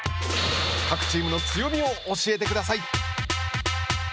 各チームの強みを教えてください。